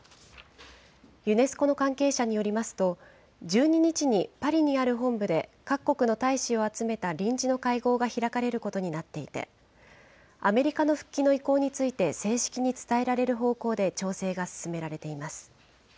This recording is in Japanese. ユネスコの関係者によりますと、１２日にパリにある本部で各国の大使を集めた臨時の会合が開かれることになっていて、アメリカの復帰の意向について正式に伝えられる方向で調整が進められています。